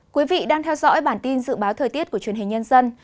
quý vị đang theo dõi bản tin dự báo thời tiết của truyền hình nhân dân